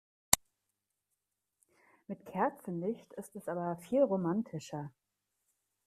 Mit Kerzenlicht ist es aber viel romantischer.